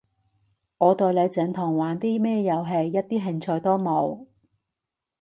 我對你整同玩啲咩遊戲一啲興趣都冇